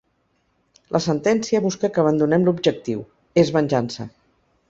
La sentència busca que abandonem l’objectiu, és venjança.